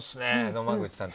野間口さん